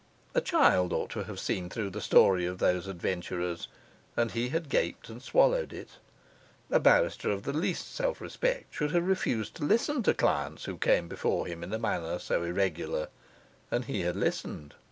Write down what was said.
A child ought to have seen through the story of these adventurers, and he had gaped and swallowed it. A barrister of the least self respect should have refused to listen to clients who came before him in a manner so irregular, and he had listened.